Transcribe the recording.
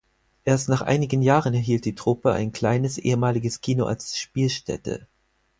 Erst nach einigen Jahren erhielt die Truppe ein kleines ehemaliges Kino als Spielstätte.